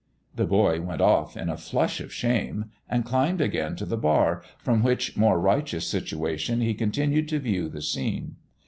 The boy went off, in a flush of shame, and climbed again to the bar, from which more righteous situation he continued to view the scene.